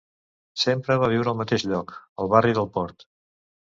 Sempre va viure al mateix lloc, el barri del port.